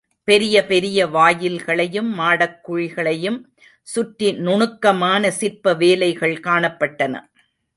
பெரிய பெரிய வாயில்களையும், மாடக் குழிகளையும் சுற்றி நுணுக்கமான சிற்ப வேலைகள் காணப்பட்டன.